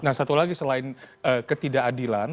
nah satu lagi selain ketidakadilan